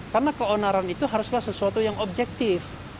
karena keonaran itu haruslah sesuatu yang objektif